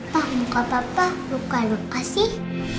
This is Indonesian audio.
pak luka papa luka luka sih